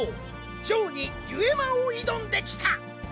ジョーにデュエマを挑んできた！